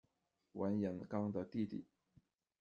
完颜纲的弟弟。